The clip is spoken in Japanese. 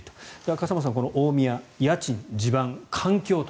笠松さん、大宮家賃、地盤、環境と。